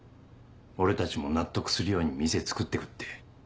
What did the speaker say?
俺たちも納得するように店つくって行くって。